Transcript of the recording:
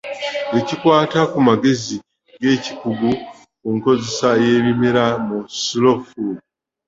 Ebikwata ku magezi g’ekikugu ku nkozesa y’ebimera mu Slow Food.